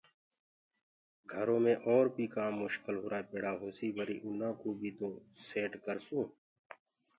گھرو مي اور بيٚ ڪآم مشڪل هرآ پيڙآ هوسيٚ وريٚ آنآ ڪو بيٚ تو ٽيٽ ڪرسونٚ